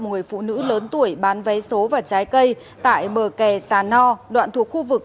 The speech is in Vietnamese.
một người phụ nữ lớn tuổi bán vé số và trái cây tại bờ kè sà no đoạn thuộc khu vực